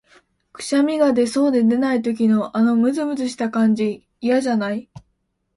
くしゃみが出そうで出ない時の、あのむずむずした感じ、嫌じゃない？